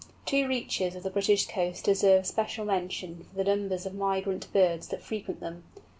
Two reaches of the British coast deserve special mention for the numbers of migrant birds that frequent them.